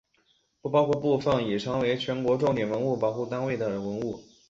不包括部分已成为全国重点文物保护单位的文物。